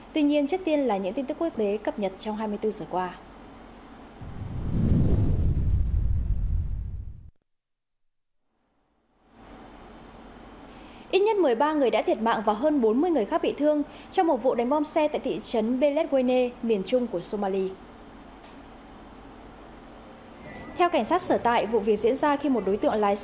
tuy nhiên trước tiên là những tin tức quốc tế cập nhật trong hai mươi bốn giờ qua